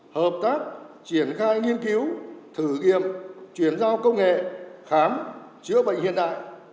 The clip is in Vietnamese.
hợp tác triển khai nghiên cứu thử nghiệm chuyển giao công nghệ khám chữa bệnh hiện đại